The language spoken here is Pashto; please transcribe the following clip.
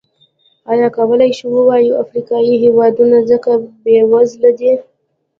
ایا کولای شو ووایو افریقايي هېوادونه ځکه بېوزله دي.